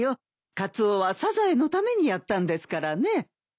カツオはサザエのためにやったんですからね。